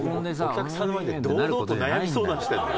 お客さんの前で堂々と悩み相談してるの？